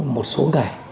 một số ngày